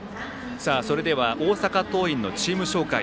それでは大阪桐蔭のチーム紹介。